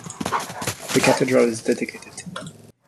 The cathedral is dedicated to them.